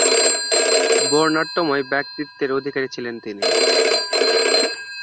বর্ণাঢ্যময় ব্যক্তিত্বের অধিকারী ছিলেন তিনি।